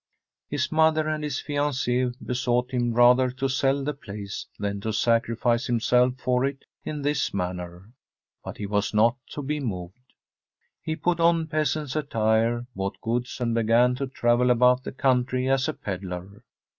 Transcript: His mother and his fiancee besought him rather to sell the place than to sacrifice himself From a SWEDISH HOMESTEAD for it in this manner, but he was not to be moved. He put on peasant's attire, bought goods, and began to travel about the country as a pedlar.